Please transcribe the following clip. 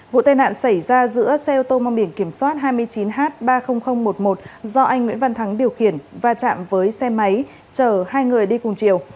vụ tai nạn xảy ra giữa xe ô tô mong biển kiểm soát hai mươi chín h ba mươi nghìn một mươi một do anh nguyễn văn thắng điều khiển và chạm với xe máy chở hai người đi cùng chiều